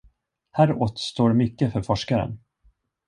Här återstår mycket för forskaren.